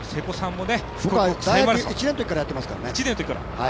僕は大学１年のときからやっていますからね。